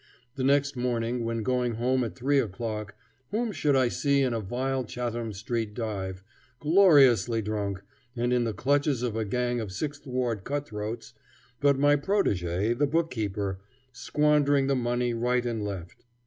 The next morning, when going home at three o'clock, whom should I see in a vile Chatham Street dive, gloriously drunk, and in the clutches of a gang of Sixth Ward cutthroats, but my protege, the bookkeeper, squandering money right and left.